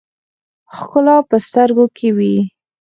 ښکلا په سترګو کښې وي